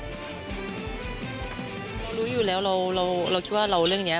เรารู้อยู่แล้วเราคิดว่าเราเรื่องนี้